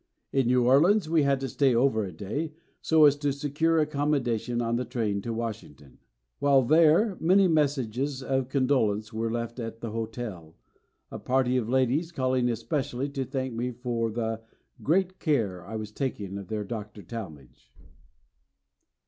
In New Orleans we had to stay over a day, so as to secure accommodation on the train to Washington. While there many messages of condolence were left at the hotel, a party of ladies calling especially to thank me for the "great care I was taking of their Dr. Talmage."